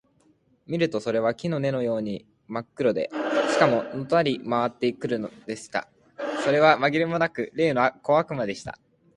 見るとそれは木の根のようにまっ黒で、しかも、のたくり廻っているのでした。それはまぎれもなく、例の小悪魔でした。